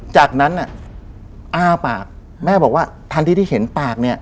จากนั้นน่ะอ้าปากแม่บอกว่าทันทีที่เห็นปากเนี่ย